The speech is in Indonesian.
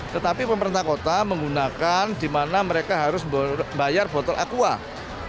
tetapi pemerintah kota menggunakan di mana mereka harus membayar botol aquah